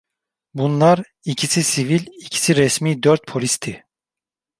Bunlar, ikisi sivil, ikisi resmi dört polisti.